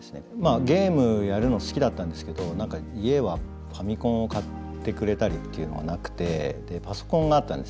ゲームやるの好きだったんですけど何か家はファミコンを買ってくれたりっていうのがなくてでパソコンがあったんですね。